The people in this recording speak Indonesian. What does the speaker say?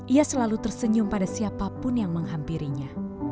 ia selalu tersenyum pada siapapun yang menghampirinya